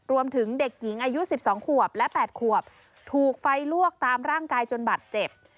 รวมถึงเด็กหญิงอายุ๑๒ขวบและ๘ขวบถูกไฟลวกตามร่างกายจนบัตรเจ็บ